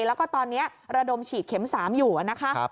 แล้วก็ตอนนี้ระดมฉีดเข็ม๓อยู่นะคะ